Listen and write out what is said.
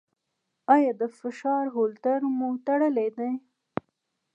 ایا د فشار هولټر مو تړلی دی؟